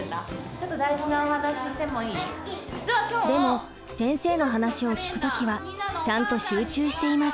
でも先生の話を聞く時はちゃんと集中しています。